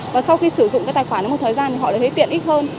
và sau khi sử dụng cái tài khoản một thời gian thì họ lại thấy tiện ích hơn